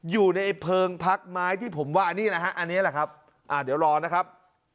อยู่ในเพลิงพักไม้ที่ผมว่าอันนี้นะครับเดี๋ยวรอนะครับ